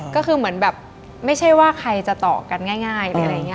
ก็คือไม่ใช่ว่าใครจะต่อกันง่าย